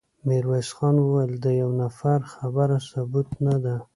ميرويس خان وويل: د يوه نفر خبره ثبوت نه ده.